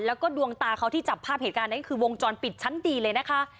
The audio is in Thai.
แล้วก็ดวงตาเขาที่จับภาพเหตุการณ์นั้นคือวงจรปิดชั้นดีเลยนะคะ